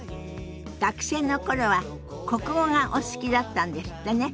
学生の頃は国語がお好きだったんですってね。